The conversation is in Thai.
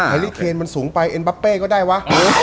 ลิเคนมันสูงไปเอ็นบับเป้ก็ได้วะ